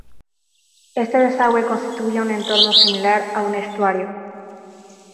Este desagüe constituye un entorno similar a un estuario.